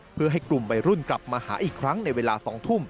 เพื่อให้กลุ่มวัยรุ่นกลับมาหาอีกครั้งในเวลา๒ทุ่ม